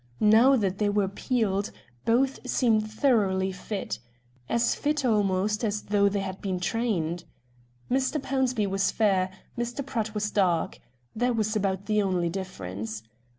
Now that they were peeled, both seemed thoroughly fit as fit almost as though they had been trained. Mr. Pownceby was fair, Mr. Pratt was dark; that was about the only difference.